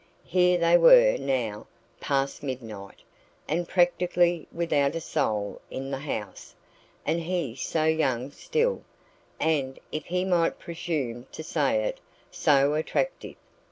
Here they were now past midnight, and practically without a soul in the house and he so young still, and, if he might presume to say it, so attractive!